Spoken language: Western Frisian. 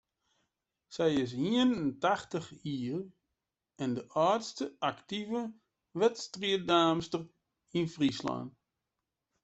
Sy is ien en tachtich jier en de âldste aktive wedstriiddamster yn Fryslân.